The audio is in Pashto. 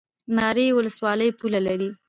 ناری ولسوالۍ پوله لري؟